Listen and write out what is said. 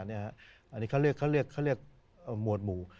อันนี้เขาเรียกหมวดหมู่